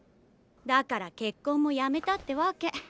だから結婚もやめたってわけ。